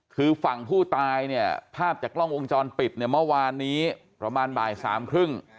คือฝั่งผู้ตายเนี่ยภาพจากกล้องวงจรปิดเนี่ยเมื่อวานนี้ประมาณบ่ายสามครึ่ง